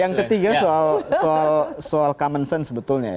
yang ketiga soal common sense sebetulnya ya